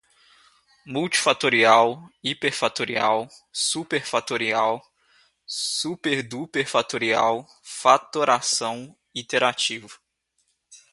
multifatorial, hiperfatorial, superfatorial, superduperfatorial, fatoração, iterativo